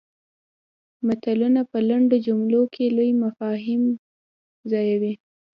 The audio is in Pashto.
متلونه په لنډو جملو کې لوی مفاهیم ځایوي